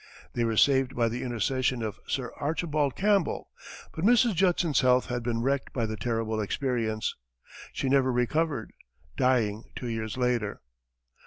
They were saved by the intercession of Sir Archibald Campbell, but Mrs. Judson's health had been wrecked by the terrible experience. She never recovered, dying two years later.